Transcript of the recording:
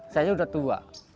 saya sudah tua